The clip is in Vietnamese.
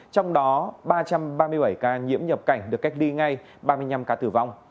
trong đó ba trăm ba mươi bảy ca nhiễm nhập cảnh được cách ly ngay ba mươi năm ca tử vong